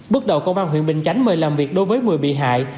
bước đầu công an huyện bình chánh mời làm việc đối với một mươi bị hại